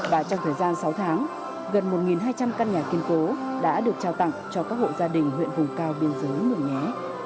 và trong thời gian sáu tháng gần một hai trăm linh căn nhà kiên cố đã được trao tặng cho các hộ gia đình huyện vùng cao biên giới mường nhé